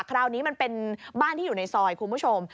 คราวนี้มันเป็นบ้านที่อยู่ในซอยคุณผู้ชม